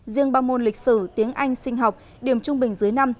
riêng ba môn lịch sử tiếng anh sinh học điểm trung bình dưới năm